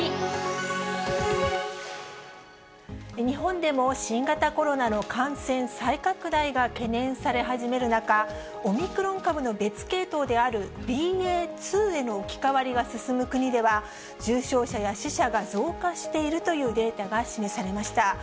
日本でも新型コロナの感染再拡大が懸念され始める中、オミクロン株の別系統であるＢＡ．２への置き換わりが進む国では、重症者や死者が増加しているというデータが示されました。